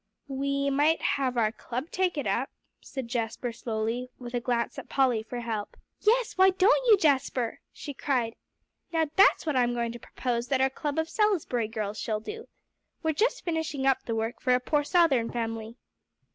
"We might have our club take it up," said Jasper slowly, with a glance at Polly for help. "Yes, why don't you, Jasper?" she cried. "Now that's what I'm going to propose that our club of Salisbury girls shall do. We're just finishing up the work for a poor Southern family."